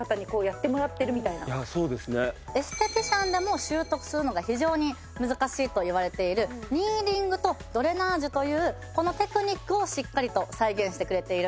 エステティシャンでも習得するのが非常に難しいといわれているニーディングとドレナージュというこのテクニックをしっかりと再現してくれているんです。